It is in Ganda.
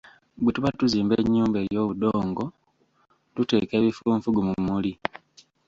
Bwe tuba tuzimba enyumba ey'obudongo tuteeka ebifunfugu mu mmuli.